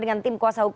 begitu ya mbak